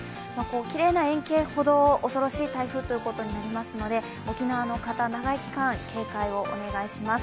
きれいな円形ほど恐ろしい台風ということになりますので、沖縄の方、長い期間警戒をお願いします。